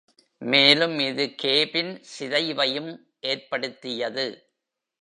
மேலும் இது கேபின் சிதைவையும் ஏற்படுத்தியது.